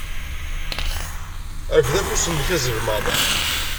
Rfed afus-nnek azelmaḍ.